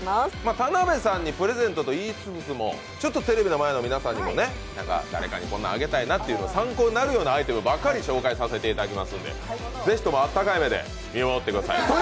田辺さんにプレゼントと言いつつもテレビの前の皆さんにも誰かにプレゼントするときに参考になるようなアイテムばかり紹介させていただきますので、ぜひとも温かい目で見守ってください。